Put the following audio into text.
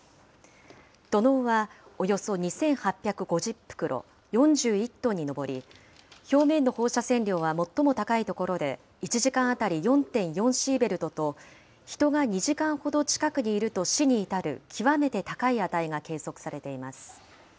土のうはおよそ２８５０袋、４１トンに上り、表面の放射線量は最も高い所で、１時間当たり４．４シーベルトと、人が２時間ほど近くにいると死に至る極めて高い値が計測されています。